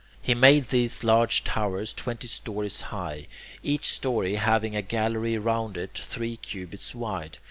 He made this large tower twenty stories high, each story having a gallery round it, three cubits wide.